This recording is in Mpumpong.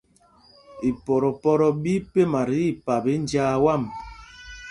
Ipoto ɓí pɛna tí ipap í njāā wām.